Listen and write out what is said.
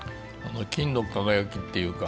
金の輝きっていうか